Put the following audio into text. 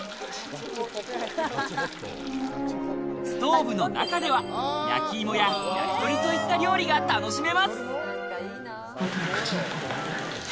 ストーブの中では、焼き芋や焼き鳥といった料理が楽しめます。